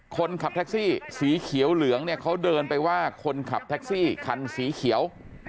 คนขับแท็กซี่สีเขียวเหลืองเนี่ยเขาเดินไปว่าคนขับแท็กซี่คันสีเขียว